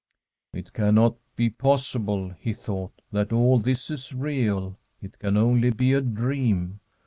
* It can not be possible,' he thought, ' that all this is real. It can only be a dream.